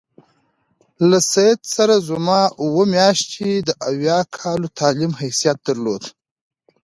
له سید سره زما اووه میاشتې د اویا کالو تعلیم حیثیت درلود.